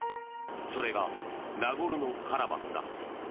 それがナゴルノカラバフだ。